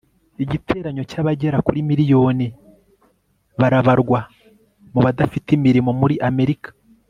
igiteranyo cy' abagera kuri miliyoni . barabarwa mu badafite imirimo muri amerika